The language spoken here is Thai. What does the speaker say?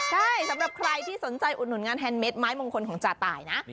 ใช่สำหรับใครที่สนใจอุดหนุนงานแฮนดเม็ดไม้มงคลของจาตายนะ